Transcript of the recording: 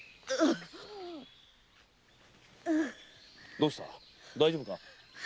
どうした大丈夫か？